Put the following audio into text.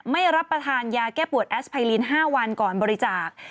รับประทานยาแก้ปวดแอสไพลิน๕วันก่อนบริจาค